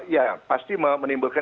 ya pasti menimbulkan